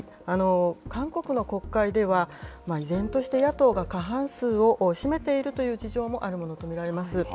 韓国の国会では、依然として、野党が過半数を占めているという事情もあるものと見られます。